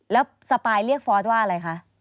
แล้วสปายเรียกฟอสว่าอะไรคะ